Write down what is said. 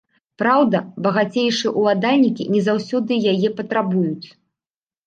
Праўда, багацейшыя ўладальнікі не заўсёды яе патрабуюць.